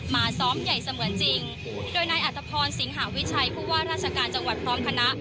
ซ้อมใหญ่เสมือนจริงโดยนายอัตภพรสิงหาวิชัยผู้ว่าราชการจังหวัดพร้อมคณะ